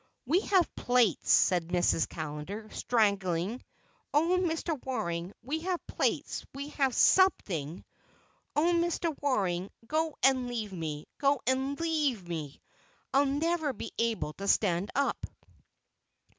"We have plates," said Mrs. Callender, strangling. "Oh, Mr. Waring, we have plates—we have something. Oh, Mr. Waring, go and leave me, go and leave me! I'll never be able to stand up."